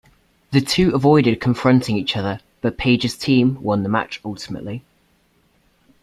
The two avoided confronting each other, but Page's team won the match ultimately.